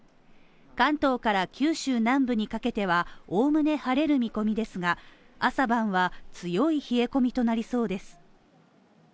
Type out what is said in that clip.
関東から九州南部にかけては、おおむね晴れる見込みですが、朝晩は強い冷え込みとなりそうです。